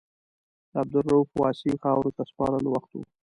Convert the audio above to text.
د عبدالرؤف واسعي خاورو ته سپارلو وخت و.